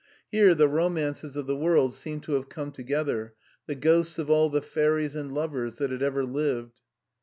Here the romances of the world seemed to have c(»ne together, the ghosts of all the fairies and lovers that had ever lived.